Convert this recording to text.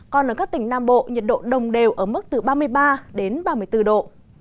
còn ở các tỉnh nam bộ nhiệt độ đồng đều ở mức từ ba mươi ba đến ba mươi bốn độ